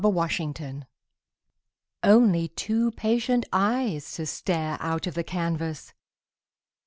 FADED PICTURES Only two patient eyes to stare Out of the canvas.